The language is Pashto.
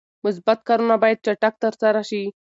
مثبت کارونه باید چټک ترسره شي.